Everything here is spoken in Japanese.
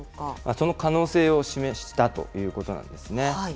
その可能性を示したということなんですね。